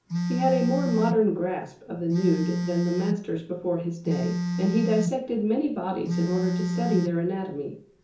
He had a more modern grasp of the nude than the masters before his day, and he dissected many bodies in order to study their anatomy.